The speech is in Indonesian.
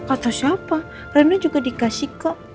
atau siapa remnya juga dikasih kok